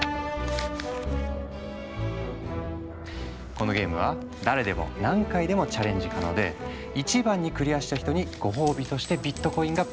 このゲームは誰でも何回でもチャレンジ可能で１番にクリアした人にご褒美としてビットコインがプレゼントされるというもの。